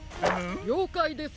りょうかいです！